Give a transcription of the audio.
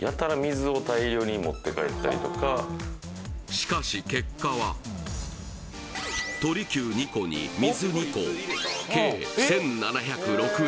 しかし結果は鳥久２個に水２個計１７０６円